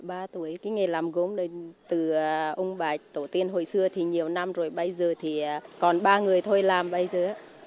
cái nghề làm gốm từ ông bà tổ tiên hồi xưa thì nhiều năm rồi bây giờ thì còn ba người thôi làm bây giờ